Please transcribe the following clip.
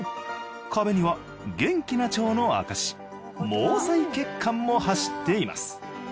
壁には元気な腸の証し毛細血管も走っています。